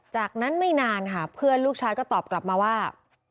จากนั้นไม่นานค่ะเพื่อนลูกชายก็ตอบกลับมาว่า